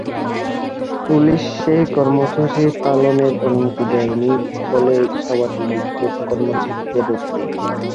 Police সেই কর্মসূচি পালনে অনুমতি দেয়নি বলে সভাটি বিক্ষোভ কর্মসূচিতে রূপ নেয়।